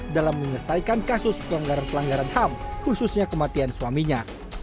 dalam menyelesaikan kasus pelanggaran pelanggaran ham khususnya kematian suaminya